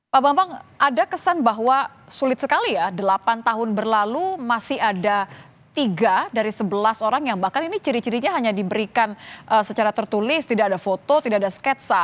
pak bambang ada kesan bahwa sulit sekali ya delapan tahun berlalu masih ada tiga dari sebelas orang yang bahkan ini ciri cirinya hanya diberikan secara tertulis tidak ada foto tidak ada sketsa